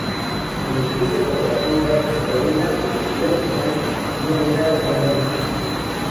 En el juicio contra Konrad se revela que Wolfgang no era realmente judío.